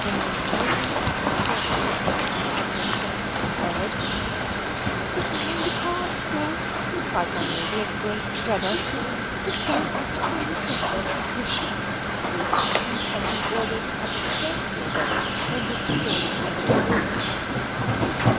So we sat for an hour until steps were heard. "Put away the cards, girls," cried my lady, in a great tremor; "put down Mr. Crawley's books, Miss Sharp"; and these orders had been scarcely obeyed, when Mr. Crawley entered the room.